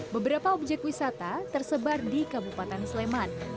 beberapa objek wisata tersebar di kabupaten sleman